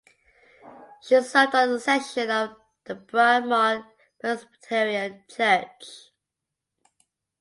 She served on the session of the Bryn Mawr Presbyterian Church.